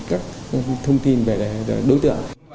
các thông tin về đối tượng